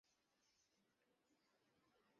আমরা আগামীকাল দেখা করব।